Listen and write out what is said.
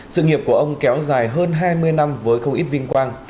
sự nghiệp của ông kéo dài hơn hai mươi năm với không ít vinh quang